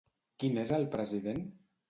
Qui n'és el president?